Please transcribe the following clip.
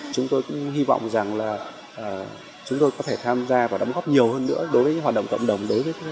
chúng tôi cũng hy vọng rằng là chúng tôi có thể tham gia và đóng góp nhiều hơn nữa đối với hoạt động tổng đồng